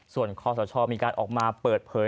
ส่วนคอสชมีการออกมาเปิดเผย